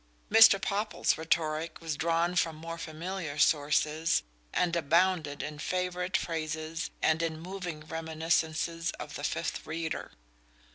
Mr. Popple's rhetoric was drawn from more familiar sources, and abounded in favourite phrases and in moving reminiscences of the Fifth Reader.